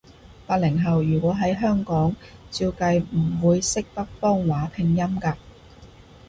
八零後，如果喺香港，照計唔會識北方話拼音㗎